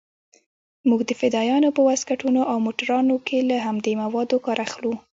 موږ د فدايانو په واسکټونو او موټرانو کښې له همدې موادو کار اخلو.